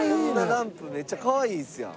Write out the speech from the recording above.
ランプめっちゃかわいいですやん。